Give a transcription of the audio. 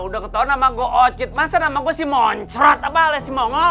udah ketahuan nama gue ocit masa nama gue si moncrot apa alias si mongol